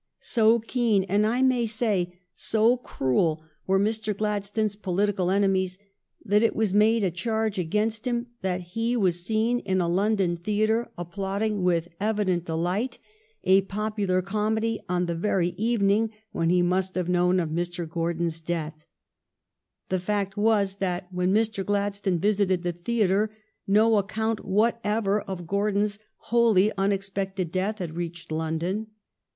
So keen and, I may say, so cruel were Mr. Gladstone s political enemies that it was made a charge against him that he was seen in a London theatre applaud ing with evident delight a popular comedy on the very evening when he must have known of Gordon's death. The fact was that when Mr. Gladstone visited the theatre no account what ever of Gordon's wholly unexpected death had reached London.